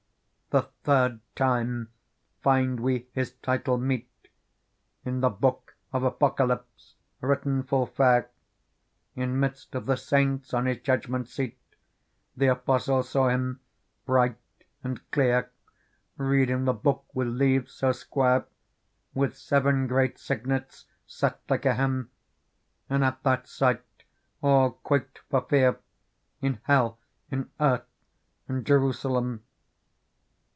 The third time find we His title meet In the book of Apocalypse written full fair ; In midst of the saints on His judgment seat The Apostle saw Him bright and clear, Reading the Book with leaves so square. With seven great signets set like a hem : And at that sight all quaked for fear. In hell^ in earth and Jerusalem.